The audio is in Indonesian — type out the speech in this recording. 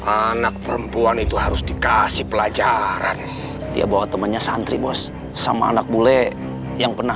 anak perempuan itu harus dikasih pelajaran ya bahwa temannya santri bos sama anak bule yang pernah